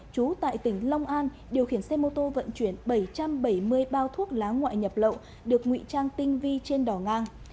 chú tại tỉnh long an điều khiển xe mô tô vận chuyển bảy trăm bảy mươi bao thuốc lá ngoại nhập lậu được nguy trang tinh vi trên đỏ ngang